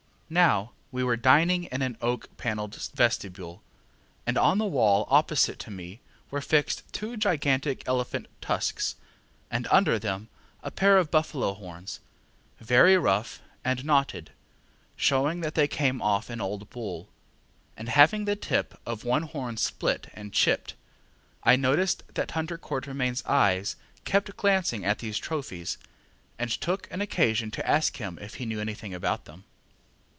Now, we were dining in an oak panelled vestibule, and on the wall opposite to me were fixed two gigantic elephant tusks, and under them a pair of buffalo horns, very rough and knotted, showing that they came off an old bull, and having the tip of one horn split and chipped. I noticed that Hunter QuatermainŌĆÖs eyes kept glancing at these trophies, and took an occasion to ask him if he knew anything about them.